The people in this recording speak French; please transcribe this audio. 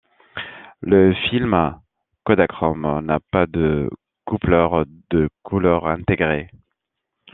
Le film Kodachrome n'a pas de coupleurs de couleur intégré.